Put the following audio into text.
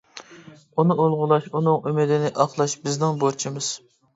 ئۇنى ئۇلۇغلاش، ئۇنىڭ ئۈمىدىنى ئاقلاش بىزنىڭ بۇرچىمىز.